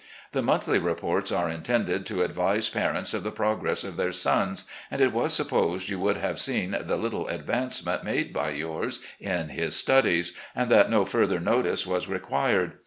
The monthly reports are intended to advise parents of the progress of their sons, and it was supposed you would have seen the little advancement made by yours in his studies, and that no further notice was required.